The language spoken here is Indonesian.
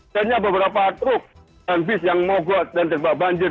hanya beberapa truk dan bis yang mogot dan terbawa banjir